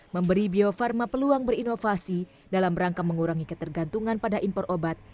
memberi bio farma peluang berinovasi dalam rangka mengurangi ketergantungan pada impor obat